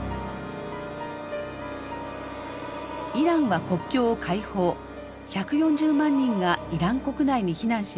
イランは国境を開放１４０万人がイラン国内に避難します。